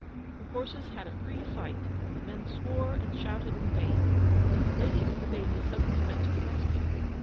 The horses had a free fight, and the men swore and shouted in vain, till the lady with the baby suddenly went to the rescue.